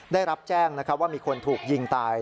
ได้รับแจ้งว่ามีคนถูกยิงตาย